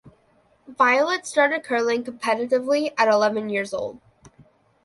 Violette started curling competitively at eleven years old.